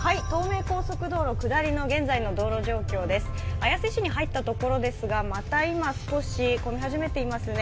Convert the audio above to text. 綾瀬市に入ったところですがまた今、少し混み始めていますね。